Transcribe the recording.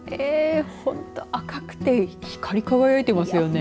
本当、赤くて光り輝いていますよね。